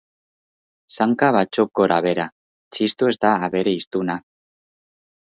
Zaunka batzuk gorabehera, Txistu ez da abere hiztuna.